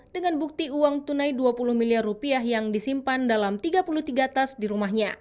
dengan bukti uang tunai dua puluh miliar rupiah yang disimpan dalam tiga puluh tiga tas di rumahnya